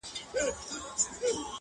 • كوم لاسونه به مرۍ د قاتل نيسي,